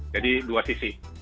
jadi dua sisi